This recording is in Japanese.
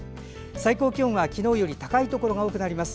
最高気温は昨日より高いところが多くなります。